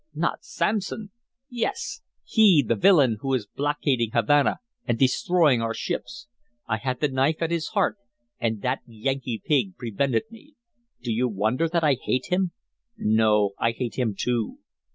"Not Sampson." "Yes, he, the villain who is blockading Havana and destroying our ships. I had the knife at his heart, and that Yankee pig prevented me. Do you wonder that I hate him?" "No. I hate him, too."